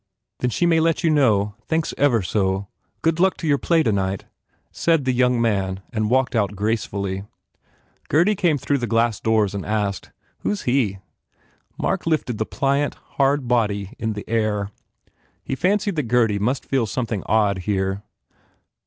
"Then she may let you know? Thanks ever so. Good luck to your play tonight," said the young man and walked out gracefully. Gurdy came through the glass doors and asked, "Who s he?" Mark lifted the pliant, hard body in the air. He fancied that Gurdy must feel something odd, here.